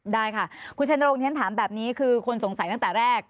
ได้ค่ะคุณชัยนรงค์ถามแบบนี้คือคนสงสัยตั้งแต่แรก